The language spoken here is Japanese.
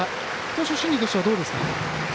投手心理としては、どうですか？